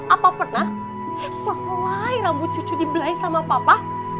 apa pernah selai rambut cucu dibelai sama papa